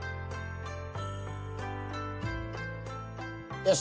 よし！